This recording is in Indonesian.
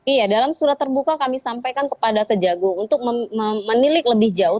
iya dalam surat terbuka kami sampaikan kepada kejagung untuk menilik lebih jauh